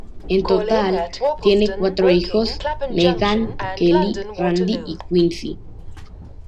En total, tiene cuatro hijos: Meghan, Kelly, Randy y Quincy.